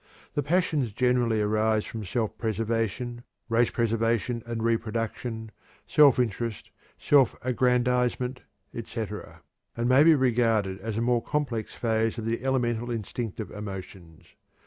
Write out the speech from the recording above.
The passions generally arise from self preservation, race preservation and reproduction, self interest, self aggrandizement, etc., and may be regarded as a more complex phase of the elemental instinctive emotions.